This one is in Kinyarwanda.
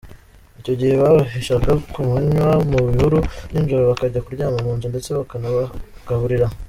Icyo gihe babahishaga ku manywa mu bihuru, ninjoro bakajya kuryama munzu ndetse bakanabagaburira.